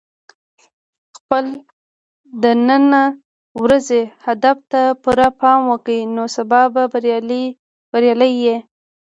خپل د نن ورځې هدف ته پوره پام وکړه، نو سبا به بریالی یې.